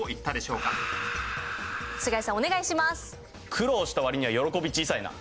苦労した割には喜び小さいな。